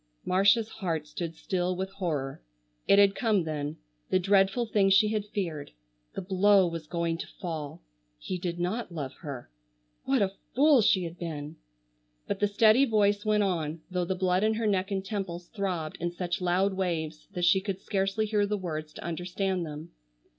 Marcia's heart stood still with horror. It had come then, the dreadful thing she had feared. The blow was going to fall. He did not love her! What a fool she had been! But the steady voice went on, though the blood in her neck and temples throbbed in such loud waves that she could scarcely hear the words to understand them.